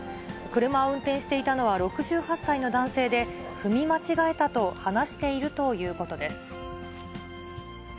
車を運転していたのは６８歳の男性で、踏み間違えたと話しているということです。